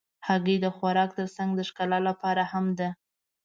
هګۍ د خوراک تر څنګ د ښکلا لپاره هم ده.